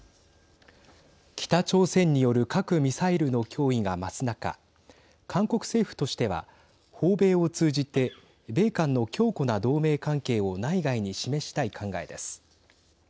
北朝鮮による核・ミサイルの脅威が増す中韓国政府としては訪米を通じて米韓の強固な同盟関係を内外に示したい考えです。